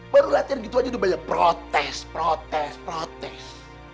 baru latihan gitu aja udah banyak protes protes protes